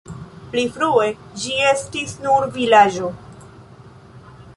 Pli frue ĝi estis nur vilaĝo.